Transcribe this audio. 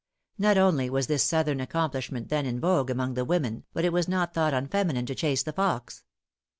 Not only was this southern accomplishment then in vogue among the women, but it was not thought unfeminine to chase the fox.